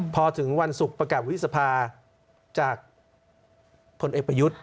พอถึงวันศุกร์ประกาศวิสภาจากพลเอกประยุทธ์